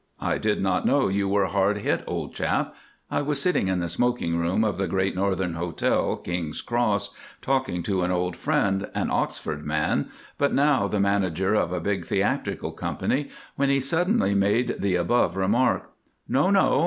I did not know you were hard hit old chap." I was sitting in the smoking room of the Great Northern Hotel, King's Cross, talking to an old friend, an Oxford man, but now the manager of a big theatrical company, when he suddenly made the above remark. "No, no!